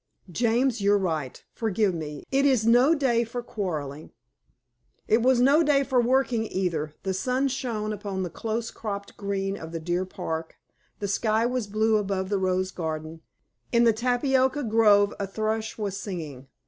"James, you're right. Forgive me. It is no day for quarrelling." It was no day for working either. The sun shone upon the close cropped green of the deer park, the sky was blue above the rose garden, in the tapioca grove a thrush was singing.